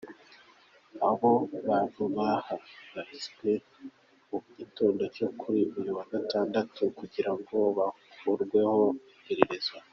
Abo bantu bahagaritswe mu gitondo cyo kuri uyu wa gatandatu kugira ngo bakorweho amaperereza.